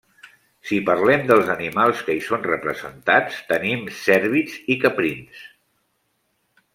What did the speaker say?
Si parlem dels animals que hi són representats, tenim cèrvids i caprins.